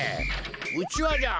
うちわじゃ。